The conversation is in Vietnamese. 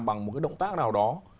bằng một cái động tác nào đó